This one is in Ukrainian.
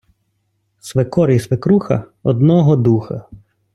свекор і свекруха – одного духа